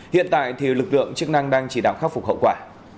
hiện tại thì lực lượng chức năng đang chỉ đạo khắc phục hậu quả